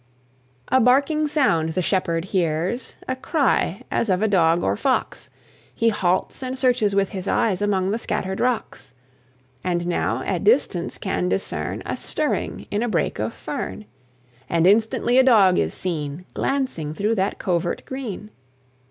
A barking sound the Shepherd hears, A cry as of a dog or fox; He halts and searches with his eyes Among the scattered rocks; And now at distance can discern A stirring in a brake of fern; And instantly a Dog is seen, Glancing through that covert green.